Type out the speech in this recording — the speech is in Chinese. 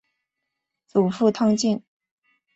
祖父汤敬。